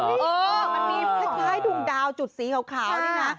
เออมันมีคล้ายดวงดาวจุดสีขาวนี่นะ